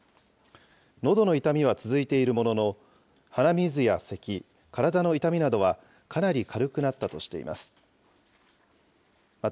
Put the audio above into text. のどの痛みは続いているものの、鼻水やせき、体の痛みなどはかなり軽くなったとしています。